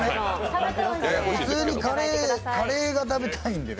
普通にカレーが食べたいんでね。